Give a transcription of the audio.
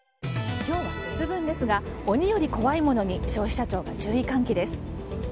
今日は節分ですが鬼より怖いものに消費者庁が注意喚起です。